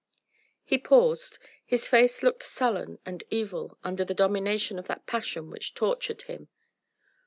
He paused: his face looked sullen and evil under the domination of that passion which tortured him.